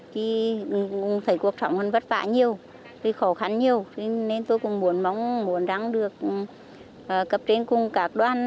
khi thấy cuộc sống vất vả nhiều khó khăn nhiều nên tôi cũng muốn rằng được cập trên cùng các đoàn